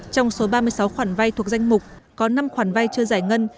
trong số ba mươi sáu khoản vai thuộc danh mục có năm khoản vai chưa giải ngân